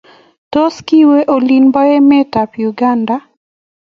Tos, kiwee olin bo emetab Uganda?